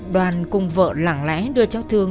đoàn cùng vợ lẳng lẽ đưa cháu thương